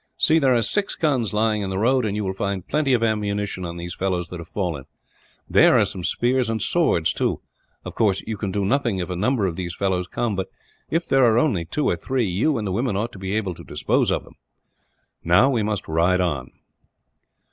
See, there are six guns lying in the road; and you will find plenty of ammunition on those fellows that have fallen. There are some spears and swords, too. Of course, you can do nothing if a number of these fellows come; but if there are only two or three, you and the women ought to be able to dispose of them. Now we must ride on."